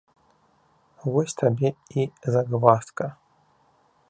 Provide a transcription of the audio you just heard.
Вось табе і загваздка!